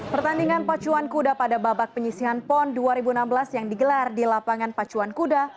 pertandingan pacuan kuda pada babak penyisian pon dua ribu enam belas yang digelar di lapangan pacuan kuda